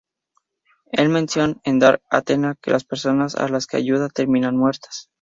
El menciona en Dark Athena que las personas a las que ayuda terminan muertas.